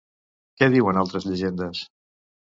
Què diuen altres llegendes?